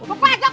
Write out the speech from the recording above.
mak mak mak